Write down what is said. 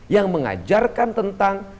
yang mengajarkan tentang